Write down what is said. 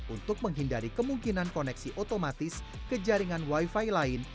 untuk menghindari kemungkinan koneksi otomatis ke jaringan wifi lain